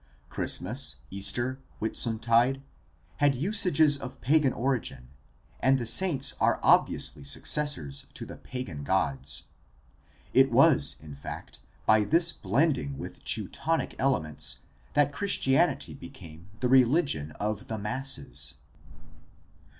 Christmas, Easter, Whitsuntide had usages of pagan origin, and the saints are obviously suc cessors to the pagan gods. It was in fact by this blending with Teutonic elements that Christianity became the religion of the masses.